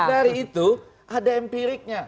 dari itu ada empiriknya